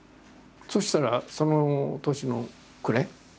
そしたらその年の暮れ。